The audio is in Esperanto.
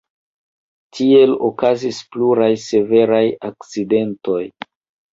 Tiel okazis pluraj severaj akcidentoj.